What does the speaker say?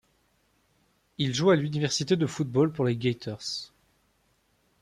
Il joue à l'université de football pour les Gaiters.